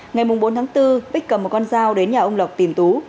ngày bốn tháng bốn bích cầm một con dao đến nhà ông lộc tìm tú